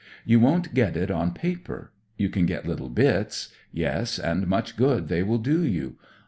You won't ^et it on paper. You can get little bits ; yes, and much good they will do you.